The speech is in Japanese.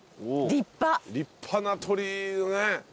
立派な鳥居ねえ。